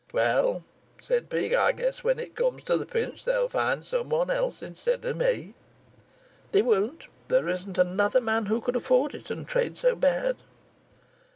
"Well," said Peake, "I guess when it comes to the pinch they'll find someone else instead of me." "They won't; there isn't another man who could afford it and trade so bad."